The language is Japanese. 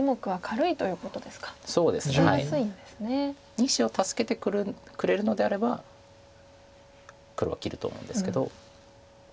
２子を助けてくれるのであれば黒は切ると思うんですけど。